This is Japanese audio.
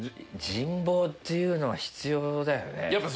人望っていうのは必要だよね。